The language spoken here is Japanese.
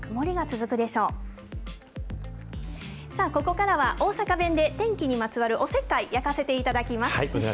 ここからは大阪弁で天気にまつわるおせっかいをやかせていたお願いします。